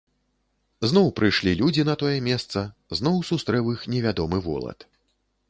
Зноў прыйшлі людзі на тое месца, зноў сустрэў іх невядомы волат.